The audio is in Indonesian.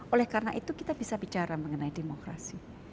oleh karena itu kita bisa bicara mengenai demokrasi